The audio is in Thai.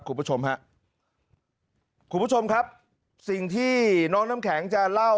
คุณผู้ชมฮะคุณผู้ชมครับสิ่งที่น้องน้ำแข็งจะเล่า